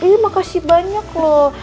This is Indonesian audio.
ih makasih banyak loh